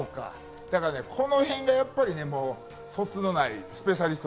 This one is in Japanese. この辺がやっぱり、そつのないスペシャリスト。